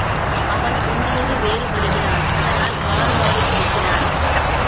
அவன் உன்னோடு வேறுபடுகிறான் அதனால் மாறுபாடு கொள்கிறான்.